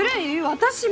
私も！